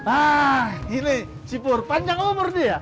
ah ini si pur panjang umur dia